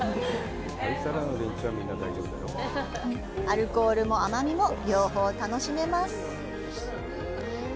アルコールも甘みも両方楽しめます。